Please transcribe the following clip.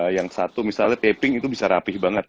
yang satu misalnya taping itu bisa rapih banget